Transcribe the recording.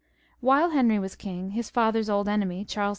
While Henry was king, his father^s old enemy, Charles v.